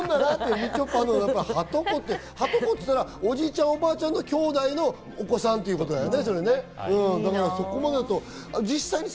みちょぱのはとこって、はとこっていったら、おじいちゃんおばあちゃんのきょうだいのお子さんってことだね。